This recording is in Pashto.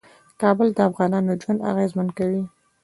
کابل د افغانانو ژوند اغېزمن کوي.